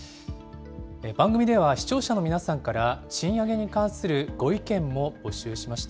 番組では視聴者の皆さんから、賃上げに関するご意見も募集しました。